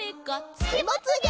「つけまつげ」